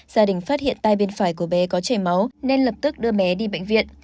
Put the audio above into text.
gia đình phát hiện tai bên phải của bé có chảy máu nên lập tức đưa bé đi bệnh viện